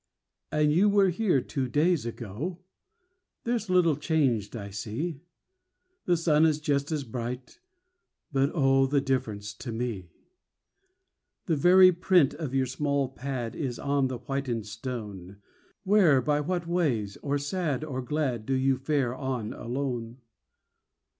And you were here two days ago. There's little changed, I see. The sun is just as bright, but oh! The difference to me! The very print of your small pad Is on the whitened stone. Where, by what ways, or sad or glad, Do you fare on alone?